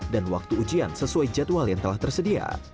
dan waktu ujian sesuai jadwal yang telah tersedia